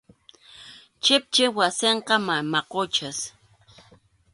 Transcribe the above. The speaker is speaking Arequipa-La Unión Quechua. Chikchip wasinqa mama Quchas.